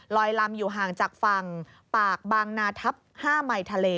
ลำอยู่ห่างจากฝั่งปากบางนาทับ๕ไหมทะเล